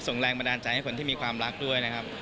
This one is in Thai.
แรงบันดาลใจให้คนที่มีความรักด้วยนะครับ